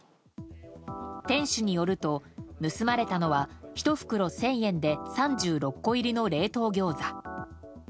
店主によると盗まれたのは１袋１０００円で３６個入りの冷凍ギョーザ。